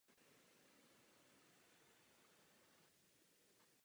Vítězem Stanley Cupu se stal tým New York Islanders.